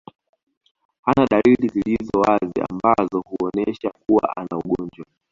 Hana dalili zilizo wazi ambazo huonesha kuwa ana ugonjwa